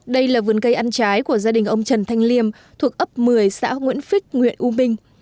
đây là vườn cây ăn trái của gia đình ông trần thanh liêm thuộc ấp một mươi xã nguyễn phích huyện u minh